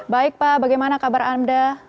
baik pak bagaimana kabar anda